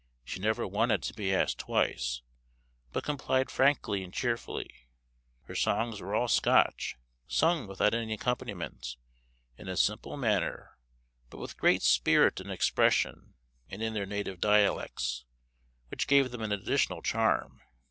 She never wanted to be asked twice, but complied frankly and cheerfully. Her songs were all Scotch, sung without any accompaniment, in a simple manner, but with great spirit and expression, and in their native dialects, which gave them an additional charm.